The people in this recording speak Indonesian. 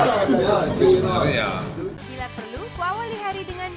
bila perlu ke awal di hari dengan bio pemula